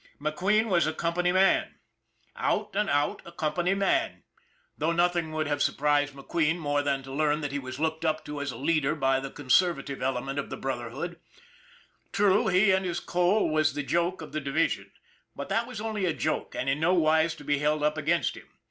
McQueen was a company man. Out and out a McQUEEN'S HOBBY 279 company man; though nothing would have surprised McQueen more than to learn that he was looked up to as a leader by the conservative element of the Brotherhood. True, he and his coal was the joke of the division; but that was only a joke, and in no wise to be held up against him.